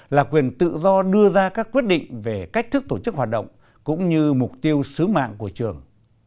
là quyền tự do đưa ra các quyết định về cách thức tổ chức hoạt động cũng như mục tiêu sứ mạng của trường